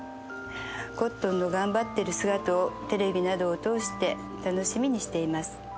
コットンの頑張ってる姿をテレビなどを通して楽しみにしています。